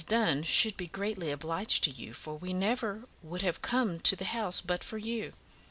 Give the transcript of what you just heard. Dunn should be greatly obliged to you, for we never would have come to the house but for you.